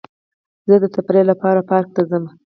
زه د تفریح لپاره پارک ته ځم.